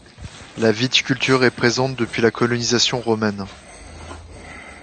La viticulture est présente depuis la colonisation romaine.